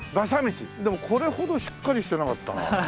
でもこれほどしっかりしてなかったな。